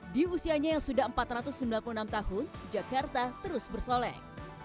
di usianya yang sudah empat ratus sembilan puluh enam tahun jakarta terus bersolek